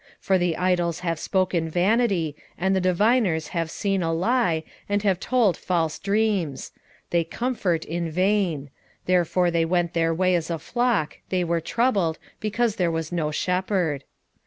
10:2 For the idols have spoken vanity, and the diviners have seen a lie, and have told false dreams; they comfort in vain: therefore they went their way as a flock, they were troubled, because there was no shepherd.